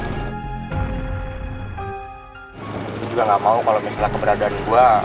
aku juga gak mau kalau misalnya keberadaan gue